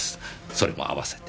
それも合わせて。